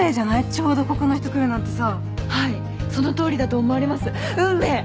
ちょうどここの人来るなんてさはいそのとおりだと思われます運命！